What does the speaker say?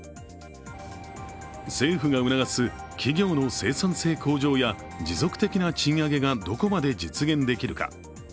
政府が促す企業の生産性向上や持続的な賃上げがどこまで実現できるか。